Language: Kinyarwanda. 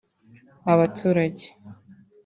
abaturage